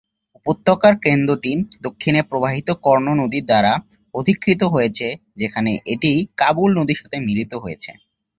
উপত্যকার কেন্দ্রটি দক্ষিণে প্রবাহিত কর্ণ নদী দ্বারা অধিকৃত হয়েছে যেখানে এটি কাবুল নদীর সাথে মিলিত হয়েছে।